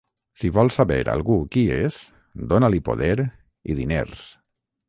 Si vols saber algú qui és, dóna-li poder i diners.